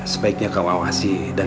sebaiknya kau awasi dan